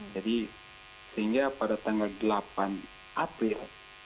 jadi sehingga pada tanggal delapan april